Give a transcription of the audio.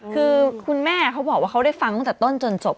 คือคุณแม่เขาบอกว่าเขาได้ฟังตั้งแต่ต้นจนจบ